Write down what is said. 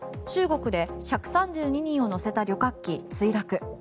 中国で１３２人を乗せた旅客機墜落。